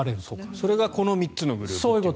それがこの３つのグループと。